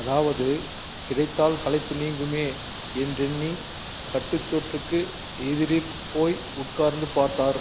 அதாவது கிடைத்தால் களைப்பு நீங்குமே என்றெண்ணிக் கட்டுச் சோற்றுக்கு எதிரிற் போய் உட்கார்ந்து பார்த்தார்.